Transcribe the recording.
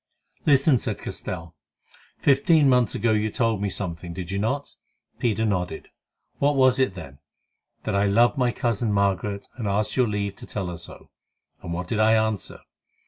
"Listen," said Castell. "Fifteen months ago you told me something, did you not?" Peter nodded. "What was it, then?" "That I loved my cousin Margaret, and asked your leave to tell her so." "And what did I answer?"